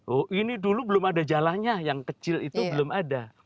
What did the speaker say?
oh ini dulu belum ada jalannya yang kecil itu belum ada